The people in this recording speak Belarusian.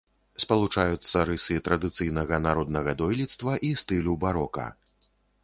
Спалучаюцца рысы традыцыйнага народнага дойлідства і стылю барока.